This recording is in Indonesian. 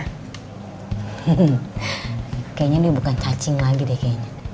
kayaknya dia bukan cacing lagi deh kayaknya